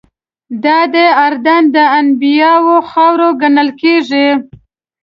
دادی اردن د انبیاوو خاوره ګڼل کېږي.